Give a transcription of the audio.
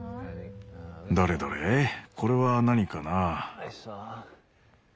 どれどれこれは何かな？